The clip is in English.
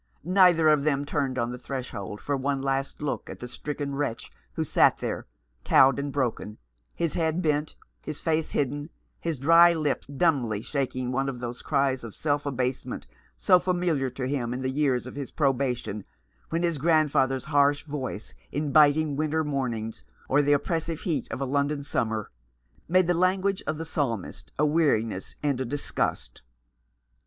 Neither of them turned on the threshold for one last look at the stricken wretch who sat there, cowed and broken, his head bent, his face hidden, his dry lips dumbly shaping one of those cries of self abasement so familiar to him in the years of his probation, when his grandfather's harsh voice in biting winter mornings, or the oppressive heat of a London 385 2 C Rough Justice. summer, made the language of the Psalmist a weariness and a disgust.